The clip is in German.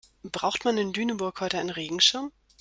Braucht man in Lüneburg heute einen Regenschirm?